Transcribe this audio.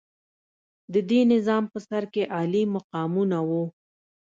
د دې نظام په سر کې عالي مقامونه وو.